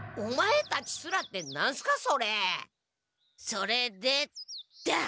それでだ！